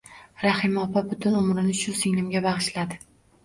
Rahima opa butun umrini shu singlimga bag`ishladi